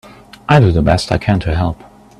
I do the best I can to help.